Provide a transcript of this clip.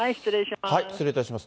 失礼いたします。